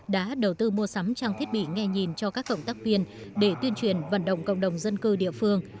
đã đầu tư mua sắm trang thiết bị nghe nhìn cho các cộng tác viên để tuyên truyền vận động cộng đồng dân cư địa phương